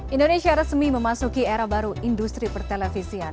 indonesia resmi memasuki era baru industri pertelevisian